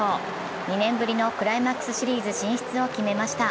２年ぶりのクライマックスシリーズ進出を決めました。